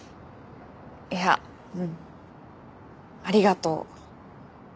いやうんありがとう。